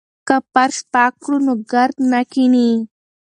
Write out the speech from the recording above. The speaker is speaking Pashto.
که فرش پاک کړو نو ګرد نه کښیني.